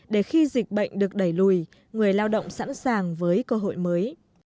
để khi dịch bệnh được đẩy lùi người lao động sẵn sàng với cơ hội mới